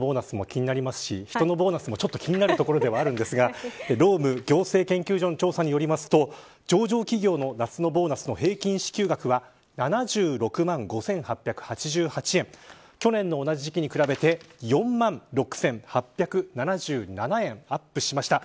自分のボーナスも気になりますし人のボーナスも気になるところではありますが労務行政研究所の調査によりますと上場企業の夏のボーナスの平均支給額は７６万５８８８円去年の同じ時期に比べて４万６８７７円アップしました。